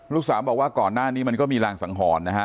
ลูกสาวบอกว่าก่อนหน้านี้มันก็มีรางสังหรณ์นะฮะ